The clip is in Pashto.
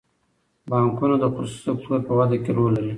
بانکونه د خصوصي سکتور په وده کې رول لري.